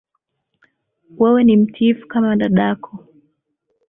Wewe ni mtiifu kama dadako